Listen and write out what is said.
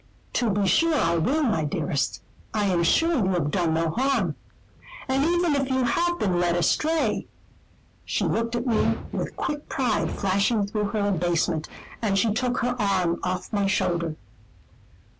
"To be sure I will, my dearest. I am sure, you have done no harm. And even if you have been led astray " She looked at me with quick pride flashing through her abasement, and she took her arm off my shoulder.